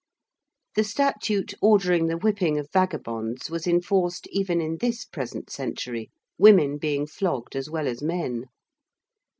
The statute ordering the whipping of vagabonds was enforced even in this present century, women being flogged as well as men.